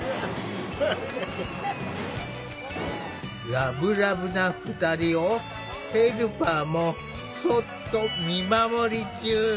ラブラブな２人をヘルパーもそっと見守り中。